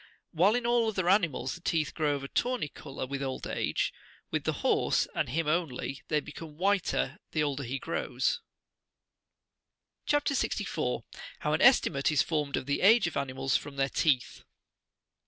"While in all other animals the teeth grow of a tawny colour with old age, with the horse, and him only, they become whiter the older he grows. CHAP. 64. HOW AN ESTIMATE IS EORMED OF THE AGE OF ANIMALS FROM THEIR TEETH.